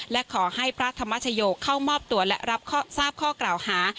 และขอให้พระธรรมชโยเข้ามอบตัวและรับทราบข้อกล่าวหา